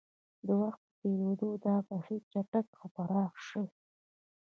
د وخت په تېرېدو دا بهیر چټک او پراخ شوی.